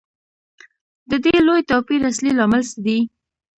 د دې لوی توپیر اصلي لامل څه دی